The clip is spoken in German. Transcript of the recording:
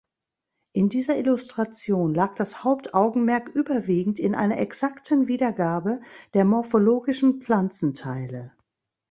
In dieser Illustration lag das Hauptaugenmerk überwiegend in einer exakten Wiedergabe der morphologischen Pflanzenteile.